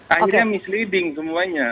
akhirnya misleading semuanya